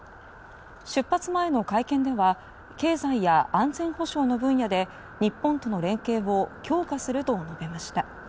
出発前の会見では経済や安全保障の分野で日本との連携を強化すると述べました。